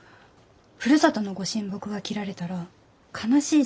ふるさとの御神木が切られたら悲しいじゃない。